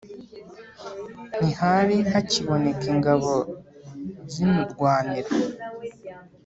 ntihari hakiboneka ingabo zinurwanira